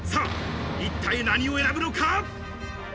一体何を選ぶのか？